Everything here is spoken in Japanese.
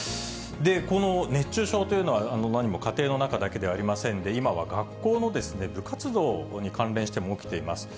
この熱中症というのは、何も家庭の中だけではありませんで、今は学校の部活動に関連しても起きています。